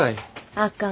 あかん。